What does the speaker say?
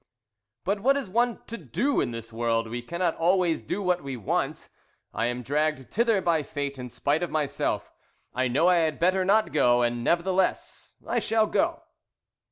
"But what is one to do in this world? We cannot always do what we want; I am dragged thither by fate in spite of myself. I know I had better not go, and nevertheless I shall go."